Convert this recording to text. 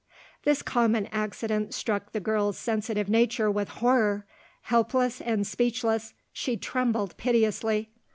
This common accident struck the girl's sensitive nature with horror. Helpless and speechless, she trembled piteously.